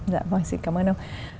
dạ vâng xin cảm ơn ông